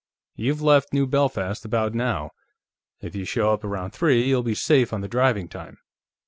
You've left New Belfast about now; if you show up around three, you'll be safe on the driving time.